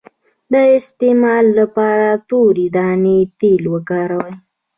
د استما لپاره د تورې دانې تېل وکاروئ